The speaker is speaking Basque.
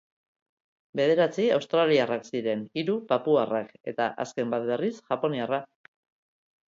Bederatzi australiarrak ziren, hiru papuarrak eta azken bat, berriz, japoniarra.